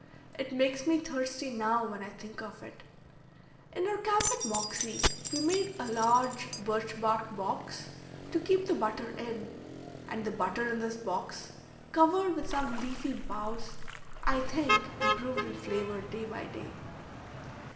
It makes me thirsty now when I think of it. In our camp at Moxie we made a large birch bark box to keep the butter in; and the butter in this box, covered with some leafy boughs, I think improved in flavor day by day.